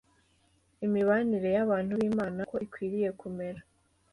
imibanire y’abantu n’imana uko ikwiriye kumera